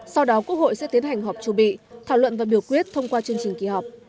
sau đó quốc hội sẽ tiến hành họp chủ bị thảo luận và biểu quyết thông qua chương trình kỳ họp